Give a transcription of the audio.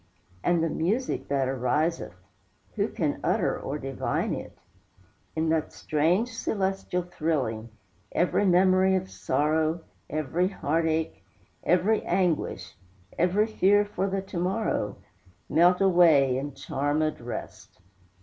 And the music that ariseth, Who can utter or divine it? In that strange celestial thrilling, Every memory of sorrow, Every heart ache, every anguish, Every fear for the to morrow, Melt away in charmèd rest.